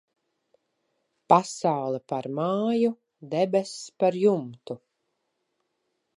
Pasaule par māju, debess par jumtu.